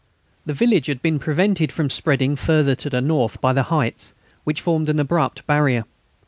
The village had been prevented from spreading further to the north by the heights, which formed an abrupt barrier.